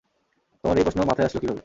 তোমার এই প্রশ্ন মাথায় আসলো কীভাবে?